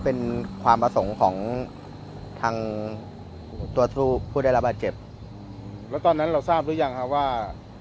เป็นความประสงค์ของทางตัวผู้ได้รับบาดเจ็บแล้วตอนนั้นเราทราบหรือยังครับว่า